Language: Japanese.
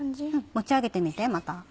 持ち上げてみてまた。